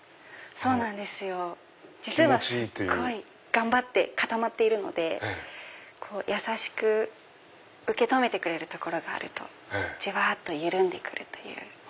頑張って固まっているので優しく受け止めてくれる所があるとじわっと緩んで来るという。